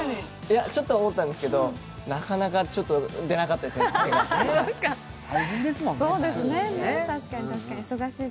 ちょっとは思ったんですけど、なかなか出なかったですね、手が。